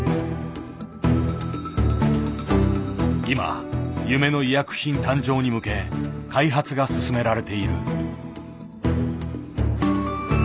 今夢の医薬品誕生に向け開発が進められている。